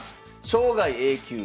生涯Ａ級。